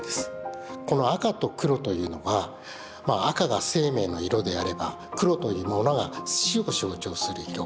この赤と黒というのは赤が生命の色であれば黒というものが死を象徴する色。